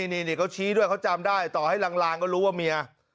นี่เขาชี้ด้วยเขาจำได้ต่อให้ลางก็รู้ว่าเมีย